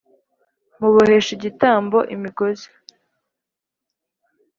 Muboheshe igitambo imigozi